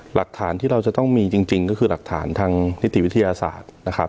หลักฐานที่เราจะต้องมีจริงก็คือหลักฐานทางนิติวิทยาศาสตร์นะครับ